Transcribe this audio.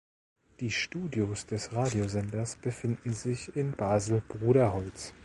Die Studios des Radiosenders befinden sich in Basel-Bruderholz.